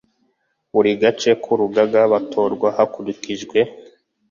buri gace k Urugaga batorwa hakurikijwe